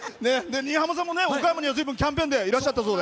新浜さんも岡山にはキャンペーンでいらっしゃったそうで。